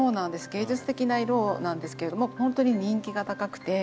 芸術的な色なんですけどもほんとに人気が高くて。